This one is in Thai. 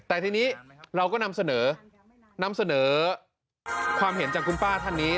แต่ทีนี้เราก็นำเสนอนำเสนอความเห็นจากคุณป้าท่านนี้